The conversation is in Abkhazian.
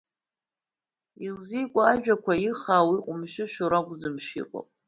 Илзикуа ажәақәа ихаау, иҟәымшәышәу ракәӡамшәа иҟоуп.